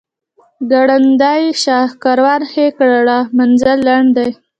ګړندی شه کاروان هی کړه منزل لنډ دی.